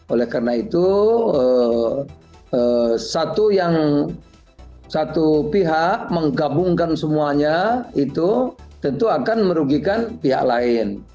oleh karena itu satu pihak menggabungkan semuanya itu tentu akan merugikan pihak lain